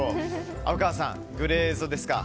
虻川さん、グレーズドですか？